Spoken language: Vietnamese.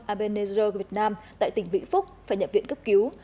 ebenezer việt nam tại tỉnh vĩnh phúc phải nhập viện cấp cứu